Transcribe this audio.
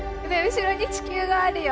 後ろに地球があるよ！